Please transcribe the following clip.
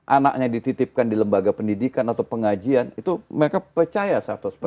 anaknya dititipkan di lembaga pendidikan atau pengajian itu mereka percaya seratus dengan situasi itu